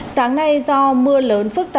sáng nay do mưa lớn phức tạp